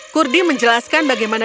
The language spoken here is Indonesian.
kurdi menjelaskan bagaimana